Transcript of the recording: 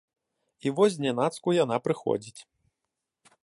І вось знянацку яна прыходзіць.